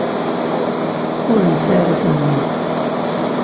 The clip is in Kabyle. Ur nesɛi ara tazmert.